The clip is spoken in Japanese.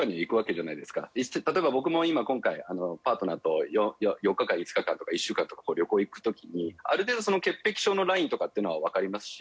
例えば僕も今今回パートナーと４日間５日間とか１週間とか旅行行く時にある程度その潔癖性のラインとかっていうのはわかりますし。